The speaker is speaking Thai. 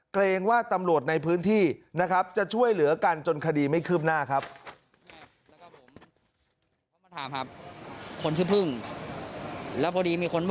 เกรงว่าตำรวจในพื้นที่นะครับจะช่วยเหลือกันจนคดีไม่คืบหน้าครับ